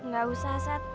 gak usah sat